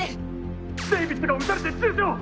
デイビットが撃たれて重傷！！